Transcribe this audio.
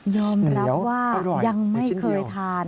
อมรับว่ายังไม่เคยทาน